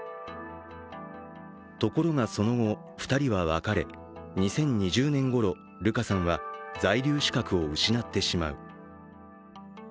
ところが、その後、２人は別れ２０２０年ごろ、ルカさんは在留資格を失ってしまう。